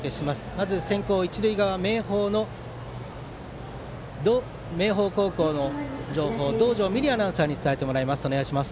まず、先攻一塁側、明豊高校の情報道上美璃アナウンサーに伝えてもらいましょう。